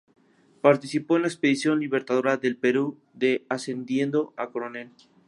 Participó en la Expedición Libertadora del Perú de ascendiendo a coronel.